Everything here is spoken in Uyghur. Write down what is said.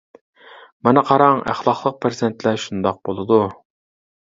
مانا قاراڭ، ئەخلاقلىق پەرزەنتلەر شۇنداق بولىدۇ.